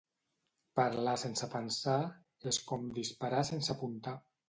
Parlar sense pensar és com disparar sense apuntar.